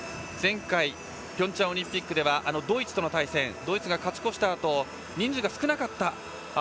前回ピョンチャンオリンピックではドイツとの対戦ドイツが勝ち越したあと人数が少なかった。